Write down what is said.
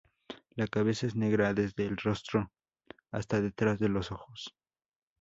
La cabeza es negra desde el rostro hasta detrás de los ojos.